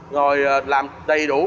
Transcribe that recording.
rồi làm đầy đủ các biển báo trên đường